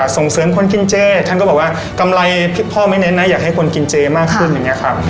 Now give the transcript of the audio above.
ส่งเสริมคนกินเจท่านก็บอกว่ากำไรพ่อไม่เน้นนะอยากให้คนกินเจมากขึ้นอย่างนี้ครับ